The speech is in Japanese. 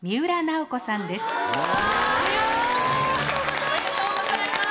おめでとうございます。